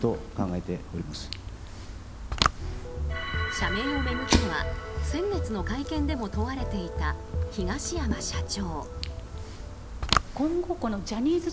社名を巡っては先月の会見でも問われていた東山社長。